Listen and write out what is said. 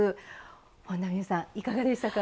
本田望結さん、いかがでしたか。